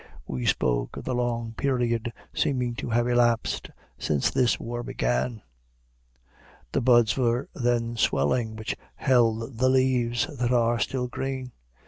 We spoke of the long period seeming to have elapsed since this war began. The buds were then swelling which held the leaves that are still green.